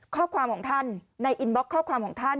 ข้อความของท่านในอินบล็อกข้อความของท่าน